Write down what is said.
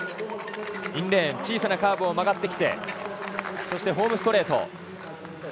インレーン小さなカーブを曲がってきてホームストレート。